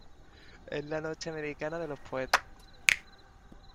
es la noche americana de los poetas .